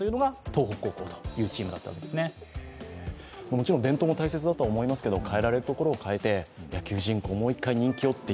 もちろん伝統も大切だと思いますが、変えられるところは変えて野球人口、もう１回人気をと。